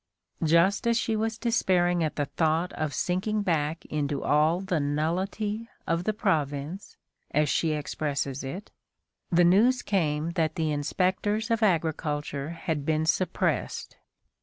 Just as she was despairing at the thought of sinking back into all the nullity of the province, as she expresses it, the news came that the inspectors of agriculture had been suppressed.